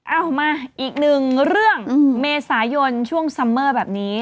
เอามาอีกหนึ่งเรื่องเมษายนช่วงซัมเมอร์แบบนี้